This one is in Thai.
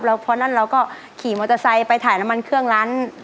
แล้วพอนั้นเราก็ขี่มอเตอร์ไซค์ไปถ่ายน้ำมันเครื่องร้าน